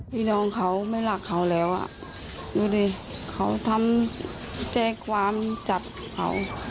พี่น้องเขาไม่รักเขาแล้วอ่ะดูดิเขาทำแจ้งความจับเขา